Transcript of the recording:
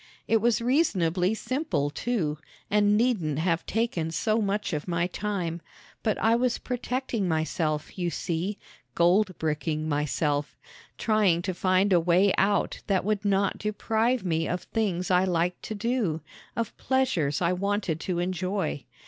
It was reasonably simple, too, and needn't have taken so much of my time; but I was protecting myself, you see, gold bricking myself trying to find a way out that would not deprive me of things I liked to do, of pleasures I wanted to enjoy.